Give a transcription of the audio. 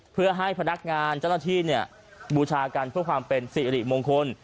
เพื่อให้พนักงานเจ้าหน้าที่บูชากันเพื่อความเป็นสิริมงคล